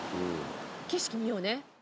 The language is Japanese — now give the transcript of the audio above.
「景色見ようね」